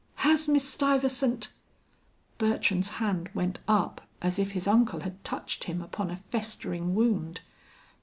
Has Miss Stuyvesant " Bertram's hand went up as if his uncle had touched him upon a festering wound.